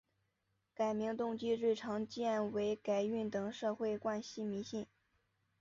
改名动机最常见为改运等社会惯习迷信。